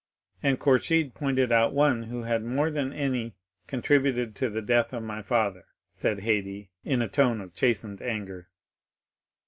"And Kourchid pointed out one who had more than any contributed to the death of my father," said Haydée, in a tone of chastened anger.